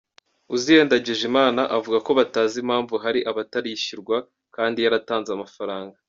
Uzziel Ndagijimana, avuga ko batazi impamvu hari abatarishyurwa kandi yaratanze amafaranga.